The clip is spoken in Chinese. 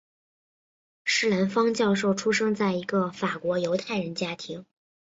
施兰芳教授出生在一个法国犹太人家庭。